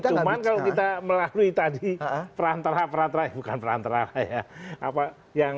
cuman kalau kita melalui tadi perantara peraterai bukan perantara lah ya